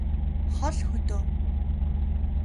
хол хөдөө